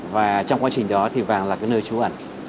và trong quá trình đó thì vàng là cái nơi trú ẩn